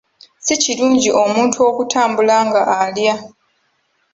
Si kirungi omuntu okutambula nga alya.